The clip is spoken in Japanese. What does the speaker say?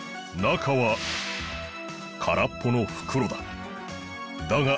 なかはからっぽのふくろだ。